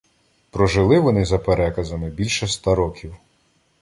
Прожили вони, за переказами, більше ста років.